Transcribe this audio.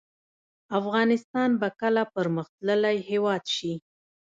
افغانستان به کله پرمختللی هیواد شي؟